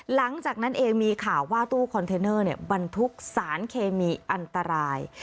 หลังจากนั้นเองมีข่าวว่าตู้คอนเทนเนอร์บรรทุกสารเคมีอันตราย